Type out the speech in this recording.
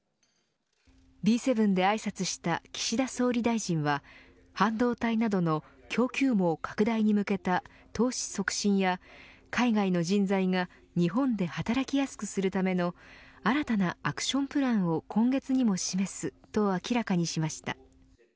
Ｂ７であいさつした岸田総理大臣は半導体などの供給網拡大に向けた投資促進や海外の人材が日本で働きやすくするための新たなアクションプランを今月にも示すと明らかにしました。